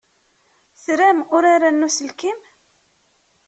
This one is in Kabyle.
Tram uraren n uselkim?